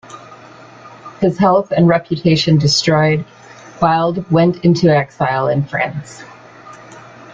His health and reputation destroyed, Wilde went into exile in France.